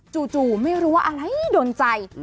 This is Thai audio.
จู่ไม่รู้ว่าอะไรโดนใจ